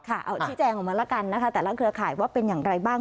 เอาชี้แจงออกมาแล้วกันนะคะแต่ละเครือข่ายว่าเป็นอย่างไรบ้าง